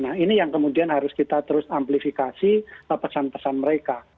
nah ini yang kemudian harus kita terus amplifikasi pesan pesan mereka